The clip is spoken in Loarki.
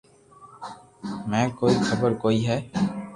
منن ڪوئي خبر ڪوئي ھي